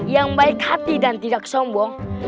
yang baik hati dan tidak sombong